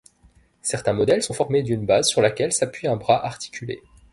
Certains modèles sont formés d'une base sur laquelle s'appuie un bras articulé.